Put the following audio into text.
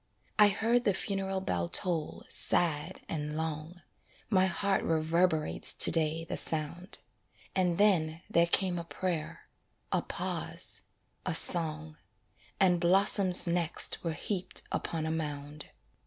I heard the funeral bell toll sad and long My heart reverberates to day the sound And then there came a prayer a pause a song, And blossoms next were heaped upon a mound.